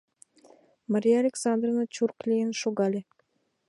Мария Александровна чурк лийын шогале: